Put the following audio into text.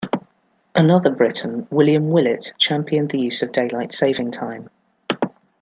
Another Briton, William Willett championed the use of daylight saving time.